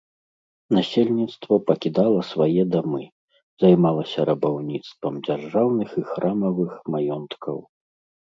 Насельніцтва пакідала свае дамы, займалася рабаўніцтвам дзяржаўных і храмавых маёнткаў.